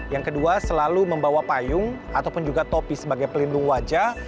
yang kedua selalu membawa payung ataupun juga topi sebagai pelindung wajah